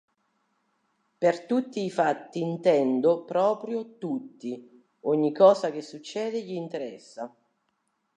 Per "tutti i fatti" intendo proprio tutti: ogni cosa che succede gli interessa.